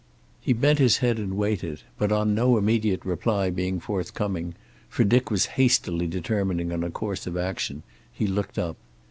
He bent his head and waited, but on no immediate reply being forthcoming, for Dick was hastily determining on a course of action, he looked up.